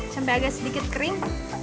sampai agak sedikit kering